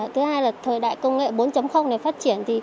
thứ hai là thời đại công nghệ bốn này phát triển